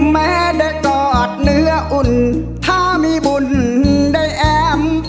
แม้ได้กอดเนื้ออุ่นถ้ามีบุญได้แอม